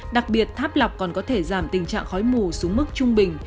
đặc biệt tháp lọc còn có thể giảm tình trạng khói mù xuống mức trung bình